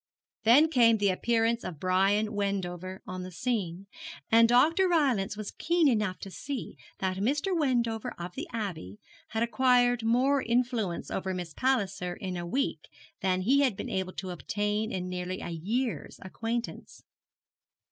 Then came the appearance of Brian Wendover on the scene, and Dr. Rylance was keen enough to see that Mr. Wendover of the Abbey had acquired more influence over Miss Palliser in a week than he had been able to obtain in nearly a year's acquaintance.